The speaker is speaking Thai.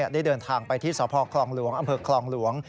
ได้เดินทางไปที่สพคลองหลวงอำเภอคลองหลวง